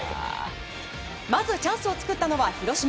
まずチャンスを作ったのは広島。